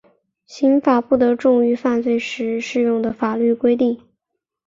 刑罚不得重于犯罪时适用的法律规定。